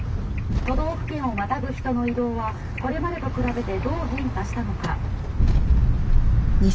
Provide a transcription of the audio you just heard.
都道府県をまたぐ人の移動はこれまでと比べてどう変化したのか」。